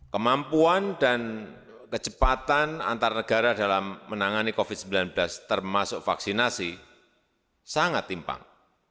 kemampuan dan kecepatan antar negara dalam menangani covid sembilan belas termasuk vaksinasi sangat timpang